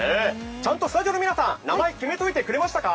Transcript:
ちゃんとスタジオの皆さん名前決めておいてくれましたか？